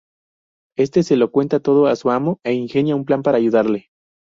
Este se lo cuenta todo a su amo e ingenia un plan para ayudarle.